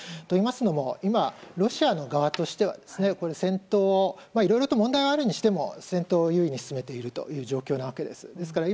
といいますのも今、ロシアの側としてはいろいろと問題はあるにしても戦闘を優位に進めている状況なわけです。